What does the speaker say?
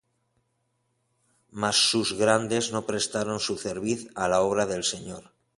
mas sus grandes no prestaron su cerviz á la obra de su Señor.